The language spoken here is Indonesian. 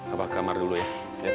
apa kamar dulu ya